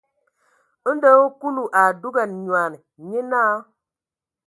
Ndo hm Kúlu a dúgan nyoan, nyé náa.